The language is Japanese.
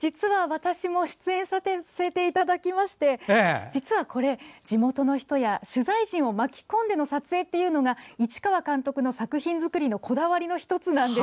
実は私も出演させていただきまして地元の人や取材陣を巻き込んでの撮影も市川監督の作品作りのこだわりなんです。